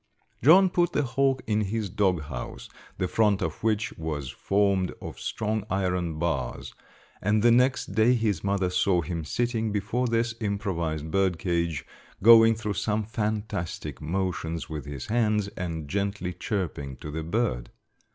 John put the hawk in his dog house, the front of which was formed of strong iron bars, and the next day his mother saw him sitting before this improvised bird cage, going through some fantastic motions with his hands and gently chirping to the bird.